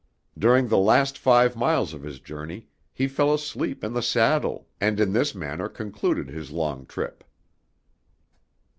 During the last five miles of his journey, he fell asleep in the saddle and in this manner concluded his long trip.